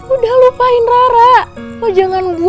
udah lupain rara